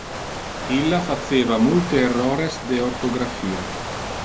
Illa faceva multe errores de orthographia.